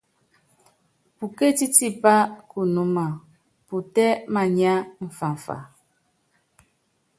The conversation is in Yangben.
Pukétí tipá kunúma putɛ́ mánya mfamfa.